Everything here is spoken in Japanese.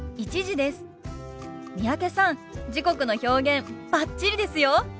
三宅さん時刻の表現バッチリですよ。